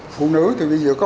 phụ nữ thì bây giờ có